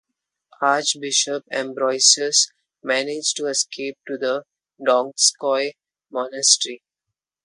Archbishop Ambrosius managed to escape to the Donskoy Monastery.